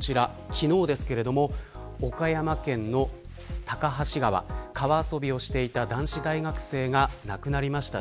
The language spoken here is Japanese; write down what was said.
昨日ですけど、岡山県の高梁川、川遊びをしていた男子大学生がなくなりました。